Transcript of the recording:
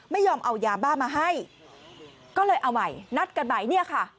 ไม่ยอมเอายาบ้ามาให้ก็เลยเอาใหม่นัดกันใหม่เนี่ยค่ะ